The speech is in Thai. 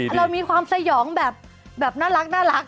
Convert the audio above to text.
เรามีความสยองแบบน่ารัก